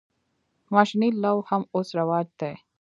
ماشیني لو هم اوس رواج دی.